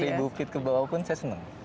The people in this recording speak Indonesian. saya setelah seribu feet ke bawah pun saya senang